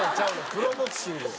プロボクシングや。